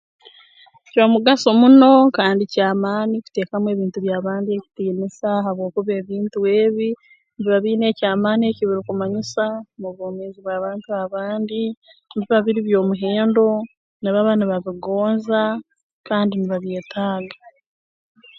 Ky'omugaso muno kandi ky'amaani kuteekamu ebintu by'abantu abandi ekitiinisa habwokuba ebintu ebi nibiba biine eky'amaani eki birukumanyisa mu bwomeezi bw'abantu abandi nibiba biri by'omuhendo nibaba nibabigonza kandi nibabyetaaga